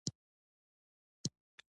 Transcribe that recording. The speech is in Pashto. خور له پاک زړه خبرې کوي.